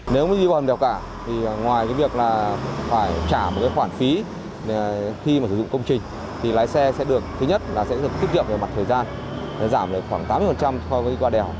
nếu đi qua hầm đèo cả ngoài việc phải trả khoản phí khi sử dụng công trình thì lái xe sẽ được thứ nhất là sẽ được tiết kiệm về mặt thời gian giảm khoảng tám mươi so với đi qua đèo